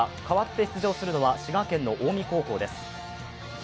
代わって出場するのは滋賀県の近江高校です。